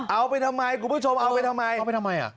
เอาไปทำไมคุณผู้ชมเอาไปทำไม